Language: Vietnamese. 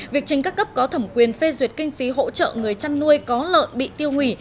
việc trình các cấp có thẩm quyền phê duyệt kinh phí hỗ trợ người chăn nuôi có lợn bị tiêu hủy